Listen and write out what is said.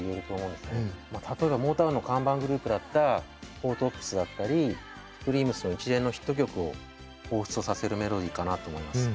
例えばモータウンの看板グループだったフォー・トップスだったりシュープリームスの一連のヒット曲をほうふつとさせるメロディーかなと思います。